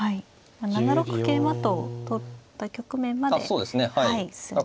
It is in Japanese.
７六桂馬と取った局面まで進んでいます。